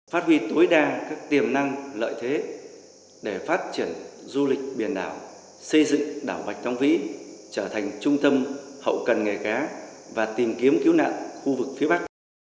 phát huy tối đa các tiềm năng lợi thế để phát triển du lịch biển đảo xây dựng đảo bạch long vĩ trở thành trung tâm hậu cần nghề cá và tìm kiếm cứu nạn khu vực phía bắc